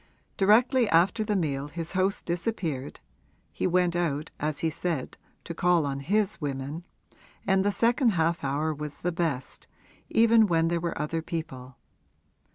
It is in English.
Directly after the meal his host disappeared (he went out, as he said, to call on his women) and the second half hour was the best, even when there were other people.